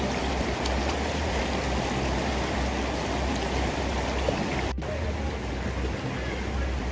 เมื่อเวลาอันดับสุดท้ายมันกลายเป็นภูมิที่สุดท้าย